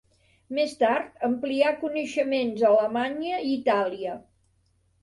Més tard amplià coneixements a Alemanya i Itàlia.